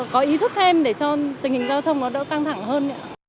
có ý thức thêm để cho tình hình giao thông nó đỡ căng thẳng hơn